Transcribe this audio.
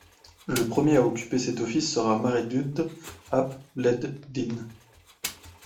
Le premier à occuper cet office sera Maredudd ap Bleddyn.